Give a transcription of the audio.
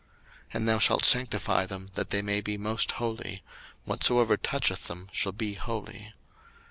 02:030:029 And thou shalt sanctify them, that they may be most holy: whatsoever toucheth them shall be holy.